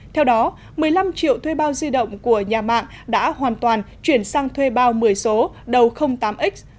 theo đó một mươi năm triệu thuê bao di động của nhà mạng đã hoàn toàn chuyển sang thuê bao một mươi số đầu tám x